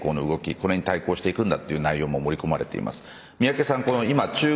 これに対抗していくという内容も盛り込まれています。